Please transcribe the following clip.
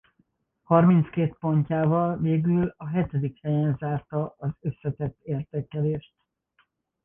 Harminckét pontjával végül a hetedik helyen zárta az összetett értékelést.